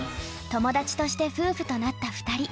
友達として夫婦となった２人。